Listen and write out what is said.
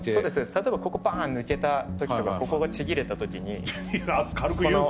例えばここがパーンと抜けた時とかここがちぎれた時に。